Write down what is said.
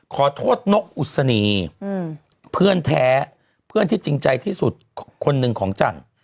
ขอโทษนกอุศนีเพื่อนแท้เพื่อนที่จริงใจที่สุดคนหนึ่งของจันทร์